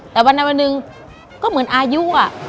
แต่วันนั้นวันหนึ่งก็เหมือนอายุ